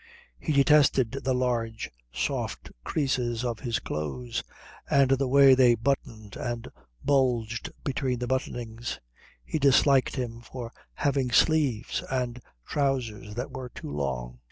He detested the large soft creases of his clothes and the way they buttoned and bulged between the buttonings. He disliked him for having sleeves and trousers that were too long.